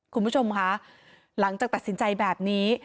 คุณผู้ชมคะหลังจากตัดสินใจแบบนี้